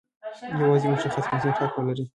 یوازې یو مشخص بنسټ حق ولري.